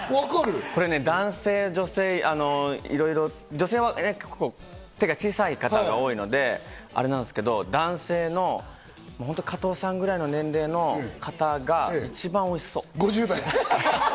男性、女性、女性は手が小さい方が多いのであれなんですけど、男性の加藤さんぐらいの年齢の方が一番おいしそう。